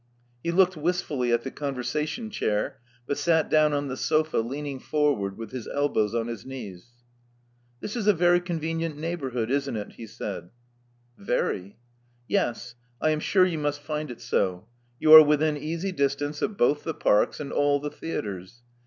He looked wistfully at the conversation chair, but sat down on the sofa, leaning forward with his elbows on his knees. "This is a very convenient neighborhood, isn't it?" he said. Very." '*Yes. I am sure you must find it so. You are within easy distance of both the parks, and all the theatres.